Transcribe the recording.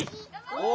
お。